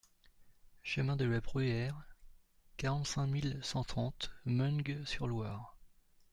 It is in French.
Chemin de la Bruère, quarante-cinq mille cent trente Meung-sur-Loire